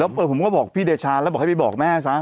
เออผมก็บอกพี่เดชาแล้วบอกให้ไปบอกแม่ซะ